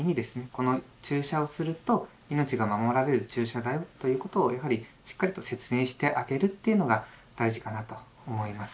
「この注射をすると命が守られる注射だよ」ということをやはりしっかりと説明してあげるというのが大事かなと思います。